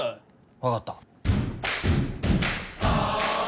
分かった。